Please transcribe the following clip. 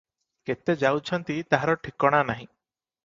କେତେ ଯାଉଛନ୍ତି, ତାହାର ଠିକଣା ନାହିଁ ।